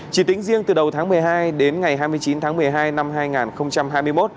chỉ tính riêng từ đầu tháng một mươi hai đến ngày hai mươi chín tháng một mươi hai năm hai nghìn hai mươi một